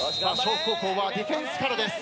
北高校はディフェンスからです。